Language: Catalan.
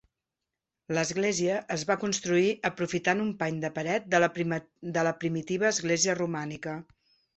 L'església es va construir aprofitant un pany de paret de la primitiva església romànica.